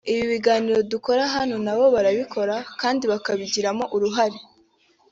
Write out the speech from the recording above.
ibi biganiro dukora hano na bo barabikora kandi bakabigiramo uruhare